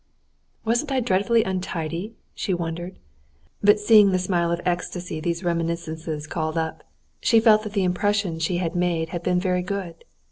"Wasn't I dreadfully untidy?" she wondered, but seeing the smile of ecstasy these reminiscences called up, she felt that the impression she had made had been very good.